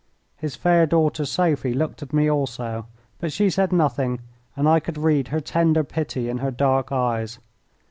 His fair daughter Sophie looked at me also, but she said nothing, and I could read her tender pity in her dark eyes.